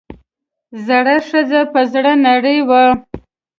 زړه ښځه پۀ زړۀ نرۍ وه ـ